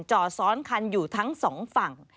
จอดซ้อนคันอยู่ทั้งสองฝั่ง